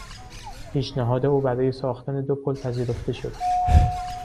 پیشنهاد او برای ساختن دو پل پذیرفته شد.